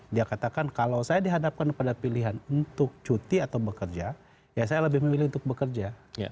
dia katakan kalau saya dihadapkan pada pilihan untuk cuti atau bekerja ya saya lebih memilih untuk bekerja